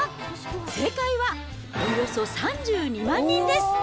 正解はおよそ３２万人です。